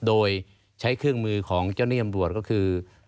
โดยใช้เครื่องมือของเจ้าหน้าที่ตำรวจก็คือ